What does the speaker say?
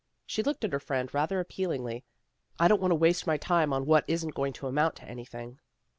She looked at her friend rather appealingly. " I don't want to waste my time on what isn't going to amount to anything."